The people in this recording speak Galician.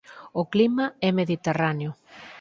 O clima é mediterráneo.